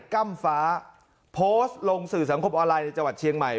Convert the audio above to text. ก้ำฟ้าโพสต์ลงสื่อสังคมออนไลน์ในจังหวัดเชียงใหม่